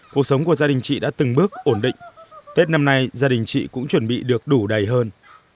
cuộc sống của gia đình chị đã từng bước ổn định tết năm nay gia đình chị cũng chuẩn bị được đủ đầy hơn